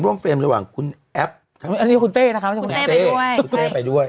ร่วมเฟรมระหว่างคุณแอปอันนี้คุณเต้นะคะคุณเต้ไปด้วยคุณเต้ไปด้วย